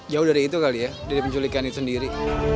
jauh dari itu kali ya dari penculikan itu sendiri